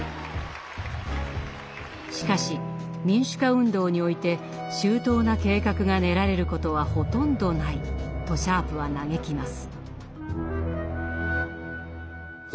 しかし民主化運動において「周到な計画が練られることはほとんどない」とシャープは嘆きます。